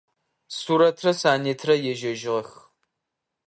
Сурэтрэ Санетрэ ежьэжьыгъэх.